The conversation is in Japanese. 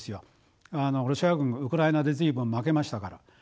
ロシア軍ウクライナで随分負けましたから。